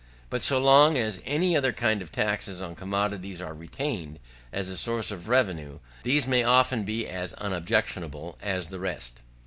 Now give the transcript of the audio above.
But so long as any other kind of taxes on commodities are retained, as a source of revenue, these may often be as unobjectionable as the rest.